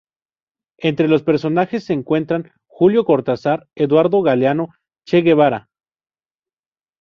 Entre los personajes se encuentran: Julio Cortázar, Eduardo Galeano, Che Guevara.